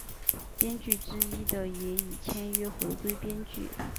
编剧之一的也已签约回归编剧。